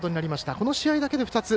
この試合だけで２つ。